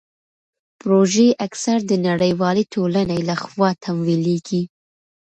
پروژې اکثر د نړیوالې ټولنې لخوا تمویلیږي.